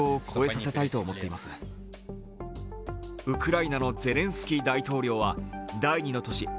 ウクライナのゼレンスキー大統領は第二の都市